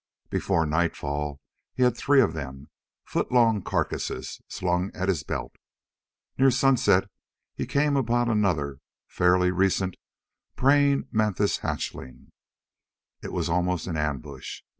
Before nightfall he had three of them foot long carcasses slung at his belt. Near sunset he came upon another fairly recent praying mantis hatchling. It was almost an ambush.